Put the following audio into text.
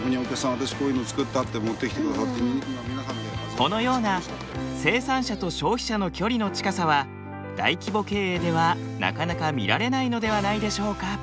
このような生産者と消費者の距離の近さは大規模経営ではなかなか見られないのではないでしょうか。